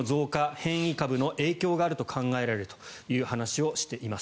変異株の影響が考えられると話をしています。